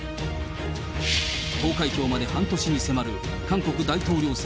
投開票まで半年に迫る韓国大統領選。